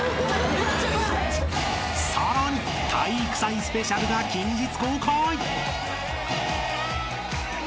［さらに体育祭スペシャルが近日公開］